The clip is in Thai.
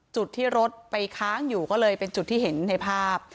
จุดที่รถไปค้างอยู่ก็เลยเป็นจุดที่เห็นในภาพ